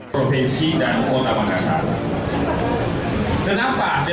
provinsi dan kota makassar